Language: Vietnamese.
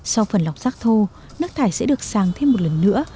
sau phần lọc rác thô nước thải sẽ được sàng thêm một lần nữa